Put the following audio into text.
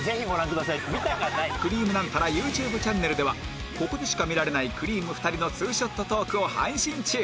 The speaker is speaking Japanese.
『くりぃむナンタラ』ＹｏｕＴｕｂｅ チャンネルではここでしか見られないくりぃむ２人のツーショットトークを配信中